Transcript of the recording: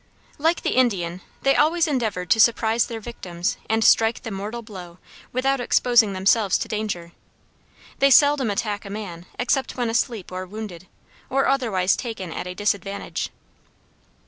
Like the Indian, they always endeavored to surprise their victims and strike the mortal blow without exposing themselves to danger. They seldom attack a man except when asleep or wounded, or otherwise taken at a disadvantage.